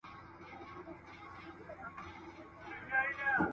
ایا په اسمان کې د ستورو شمیرل ممکن دي؟